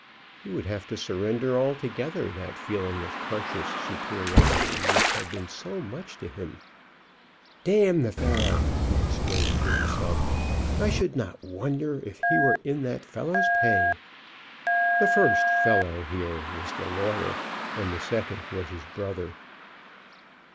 He would have to surrender altogether that feeling of conscious superiority which had been so much to him. "D n the fellow!" he exclaimed to himself. "I should not wonder if he were in that fellow's pay." The first "fellow" here was the lawyer, and the second was his brother.